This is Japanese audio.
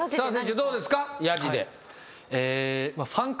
どうですか？